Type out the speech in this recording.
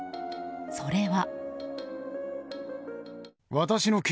それは。